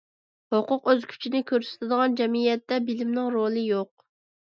ھوقۇق ئۆز كۈچىنى كۆرسىتىدىغان جەمئىيەتتە بىلىمنىڭ رولى يوق.